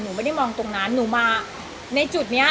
หนูไม่ได้มองตรงนั้นหนูมาในจุดนี้